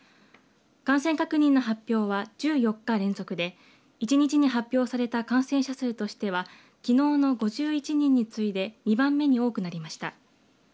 感染確認の発表は１４日連続で１日に発表された感染者数としてはきのうの５１人に次いで２番目に多くなりました。